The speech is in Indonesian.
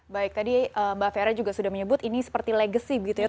baik tadi mbak fera juga sudah menyebut ini seperti legacy begitu ya